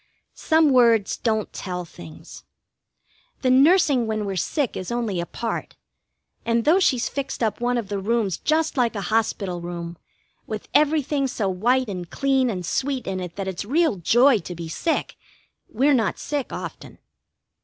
Some words don't tell things. The nursing when we're sick is only a part, and though she's fixed up one of the rooms just like a hospital room, with everything so white and clean and sweet in it that it's real joy to be sick, we're not sick often.